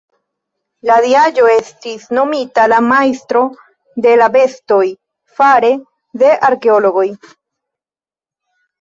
La diaĵo estis nomita la "Majstro de la Bestoj" fare de arkeologoj.